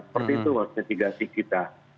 seperti itu maksudnya tiga sikita